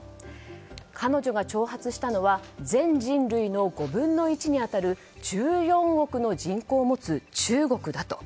彼女が挑発したのは全人類の５分の１に当たる１４億の人口を持つ中国だと。